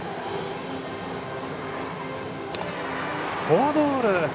フォアボール。